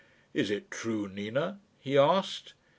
"Is it true, Nina?" he asked.